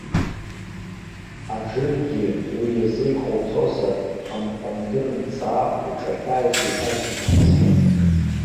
Аџыргьы, уи азы иҟоуҵозар, амҟәындыр мҵаа уҿашәааит иҳәарц иҭахызшәа.